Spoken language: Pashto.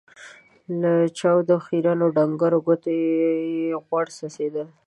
له چاودو، خيرنو ، ډنګرو ګوتو يې غوړ څڅېدل.